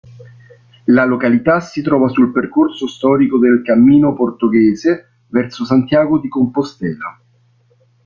La località si trova sul percorso storico del Cammino Portoghese verso Santiago di Compostela.